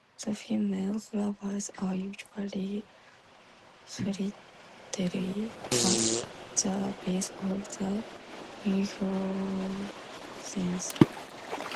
The female flowers are usually solitary, at the base of the inflorescence.